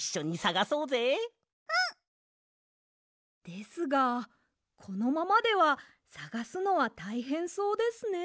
ですがこのままではさがすのはたいへんそうですね。